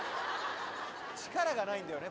力がないんだよね。